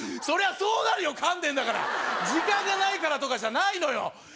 そりゃそうなるよ噛んでんだから時間がないからとかじゃないのよ